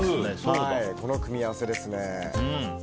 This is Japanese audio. この組み合わせですね。